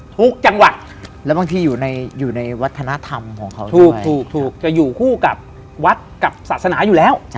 ทุกจังหวัดแล้วบางทีอยู่ในวัฒนธรรมของเขาถูกจะอยู่คู่กับวัดกับศาสนาอยู่แล้ว